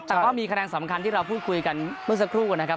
แต่ก็มีคะแนนสำคัญที่เราพูดคุยกันเมื่อสักครู่นะครับ